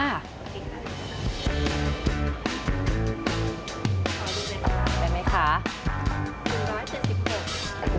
ดูได้ไหมค่ะ๑๗๖ขาว